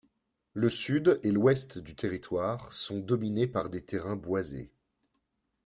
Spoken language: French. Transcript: Le sud et l'ouest du territoire sont dominés par des terrains boisés.